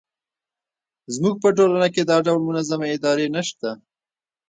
زموږ په ټولنه کې دا ډول منظمې ادارې نه شته.